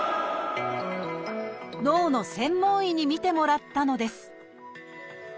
脳の専門医に診てもらったのです。